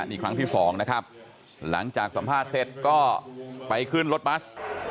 นี่ครั้งที่สองนะครับหลังจากสัมภาษณ์เสร็จก็ไปขึ้นรถบัส